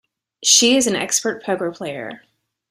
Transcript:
She is an expert poker player.